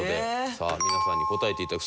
さあ皆さんに答えて頂く。